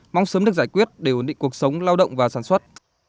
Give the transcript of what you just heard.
mong sớm được giải quyết để ổn định cuộc sống lao động và sản xuất